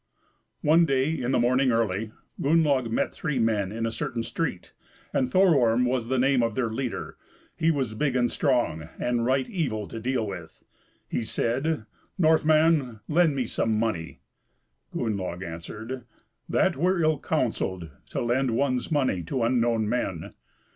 One day, in the morning early, Gunnlaug met three men in a certain street, and Thororm was the name of their leader; he was big and strong, and right evil to deal with. He said, "Northman, lend me some money." Gunnlaug answered, "That were ill counselled to lend one's money to unknown men."